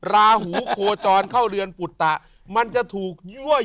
ราหูโคจรเข้าเรือนปุตตะมันจะถูกยั่วย